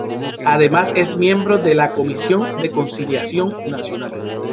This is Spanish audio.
Además es miembro de la Comisión de Conciliación Nacional.